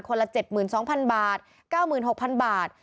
คนละเจ็ดหมื่นสองพันบาทเก้าหมื่นหกพันบาท